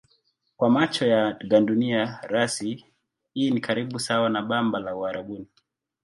Kwa macho ya gandunia rasi hii ni karibu sawa na bamba la Uarabuni.